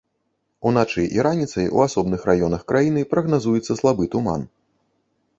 Уначы і раніцай у асобных раёнах краіны прагназуецца слабы туман.